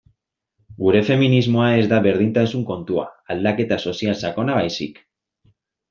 Gure feminismoa ez da berdintasun kontua, aldaketa sozial sakona baizik.